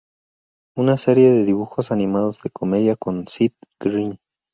Una serie de dibujos animados de comedia con Seth Green.